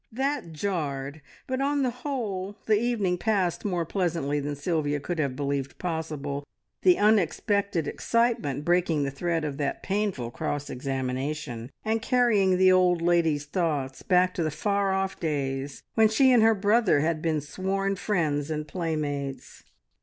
That jarred, but on the whole the evening passed more pleasantly than Sylvia could have believed possible, the unexpected excitement breaking the thread of that painful cross examination, and carrying the old lady's thoughts back to the far off days when she and her brother had been sworn friends and playmates.